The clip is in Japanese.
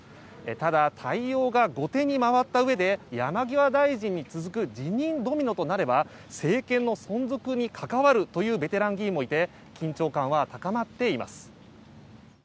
ただ、対応が後手に回ったうえで山際大臣に続く辞任ドミノとなれば政権の存続に関わるというベテラン議員もいて緊張感は高まっています。